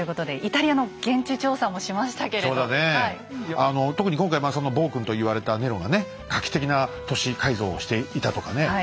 あの特に今回まあその暴君と言われたネロがね画期的な都市改造をしていたとかね